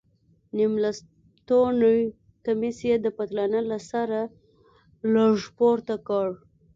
نيم لستوڼى کميس يې د پتلانه له سره لږ پورته کړ.